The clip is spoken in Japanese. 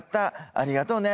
ありがとうね。